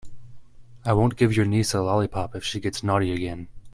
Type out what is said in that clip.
I won't give your niece a lollipop if she gets naughty again.